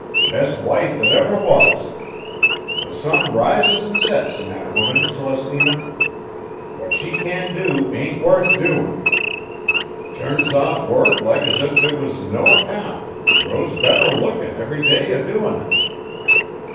"Best wife that ever was! The sun rises an' sets in that woman, Celestina. What she can't do ain't worth doin'! Turns off work like as if it was of no account an' grows better lookin' every day a doin' it."